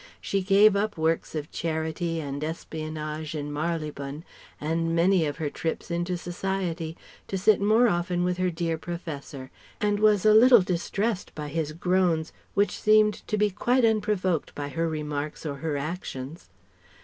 She gave up works of charity and espionage in Marylebone and many of her trips into Society, to sit more often with the dear Professor, and was a little distressed by his groans which seemed to be quite unprovoked by her remarks or her actions.